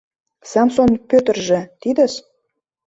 Самсон Пӧтыржӧ тидыс.